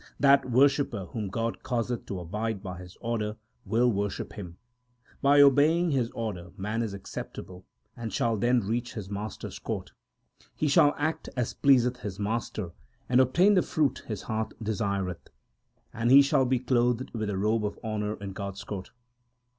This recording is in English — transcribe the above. That worshipper whom God causeth to abide by His order, will worship Him. By obeying His order man is acceptable, and shall then reach his Master s court. He shall act as pleaseth his Master, and obtain the fruit his heart desireth ; And he shall be clothed with a robe of honour in God s court.